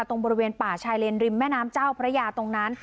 ตรงบริเวณป่าชายเลนริมแม่น้ำเจ้าพระยาตรงนั้น